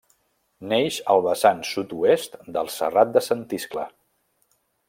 Neix al vessant sud-oest del Serrat de Sant Iscle.